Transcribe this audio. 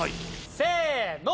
せの！